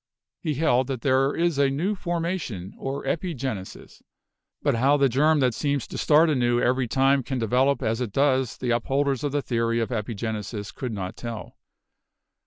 He held that there is a new formation, or 'epigenesis.' But how the germ that seems to start anew every time can develop as it does the upholders of the theory of epigenesis could not tell.